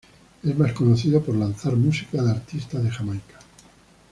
Es más conocido por lanzar música de artista de Jamaica.